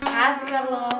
masih kan lo